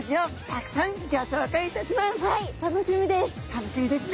楽しみです！